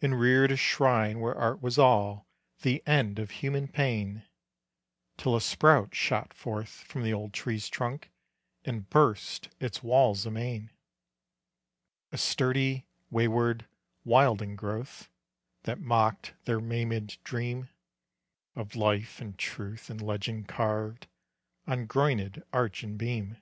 And reared a shrine where art was all The end of human pain, Till a sprout shot forth from the old tree's trunk And burst its walls amain; A sturdy, wayward, wilding growth, That mocked their maimèd dream Of life and truth in legend carved On groinèd arch and beam.